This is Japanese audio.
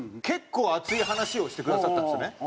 結構熱い話をしてくださったんですよね。